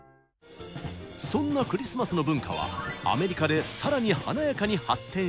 そんなクリスマスの文化はアメリカで更に華やかに発展していくのです。